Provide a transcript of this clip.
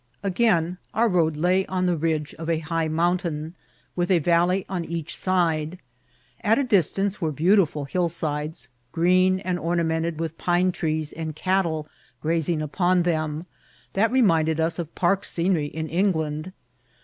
Again onr road lay on the ridge of a high mountain, with a valley on each side. At a distance were beau* tifnl hillsides, green, nud ornamented with pine trees and cattle grazing upon them, that reminded us of park scenery in England.